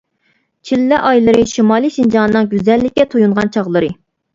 چىللە ئايلىرى شىمالىي شىنجاڭنىڭ گۈزەللىككە تويۇنغان چاغلىرى.